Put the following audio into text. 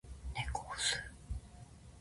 猫を吸う